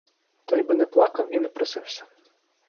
Той би не плакав і не просився.